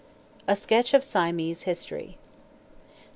A SKETCH OF SIAMESE HISTORY.